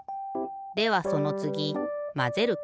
ではそのつぎまぜるか？